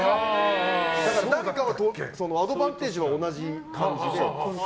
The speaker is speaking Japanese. だから、アドバンテージは同じ感じで。